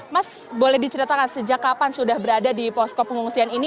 mas boleh diceritakan sejak kapan sudah berada di posko pengungsian ini